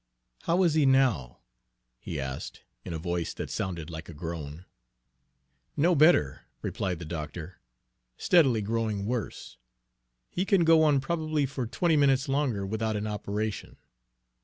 "How is he now?" he asked, in a voice that sounded like a groan. "No better," replied the doctor; "steadily growing worse. He can go on probably for twenty minutes longer without an operation."